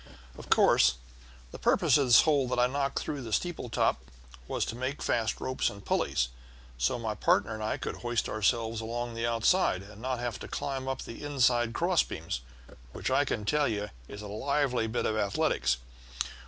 "Of course the purpose of this hole that I knocked through the steeple top was to make fast ropes and pulleys, so my partner and I could hoist ourselves along the outside, and not have to climb up the inside cross beams, which, I can tell you, is a lively bit of athletics.